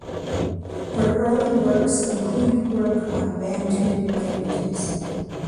Her early works included work on Bantu languages.